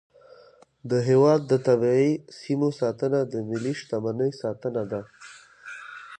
د هیواد د طبیعي سیمو ساتنه د ملي شتمنۍ ساتنه ده.